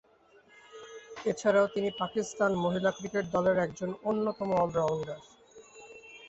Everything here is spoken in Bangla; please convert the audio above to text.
এছাড়াও তিনি পাকিস্তান মহিলা ক্রিকেট দলের একজন অন্যতম অল-রাউন্ডার।